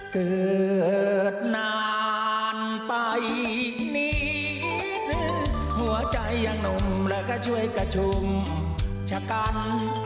เกิดนานไปนี้หัวใจยังหนุ่มแล้วก็ช่วยกระชุมชะกัน